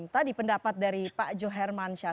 tadi pendapat dari pak johar mansyah